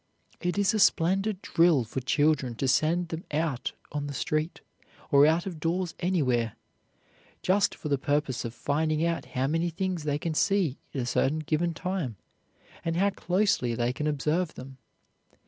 It is a splendid drill for children to send them out on the street, or out of doors anywhere, just for the purpose of finding out how many things they can see in a certain given time, and how closely they can observe them.